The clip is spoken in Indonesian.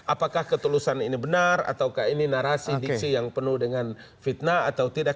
apakah ketulusan ini benar ataukah ini narasi diksi yang penuh dengan fitnah atau tidak